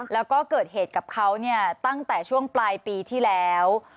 แล้วก็เกิดเหตุกับเขาเนี่ยตั้งแต่ช่วงปลายปีที่แล้ว